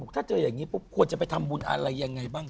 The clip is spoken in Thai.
บอกว่าถ้าเจออย่างนี้ควรจะไปทำบุญอะไรยังไงบ้าง